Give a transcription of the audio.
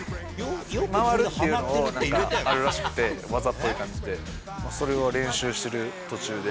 回るっていうのがあるらしくて、技っぽい感じで、それを練習している途中で。